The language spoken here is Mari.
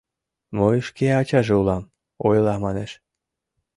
Мый шке ачаже улам, ойла манеш.